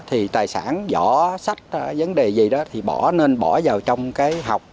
thì tài sản giỏ sách vấn đề gì đó thì nên bỏ vào trong cái học